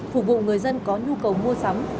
phục vụ người dân có nhu cầu mua sắm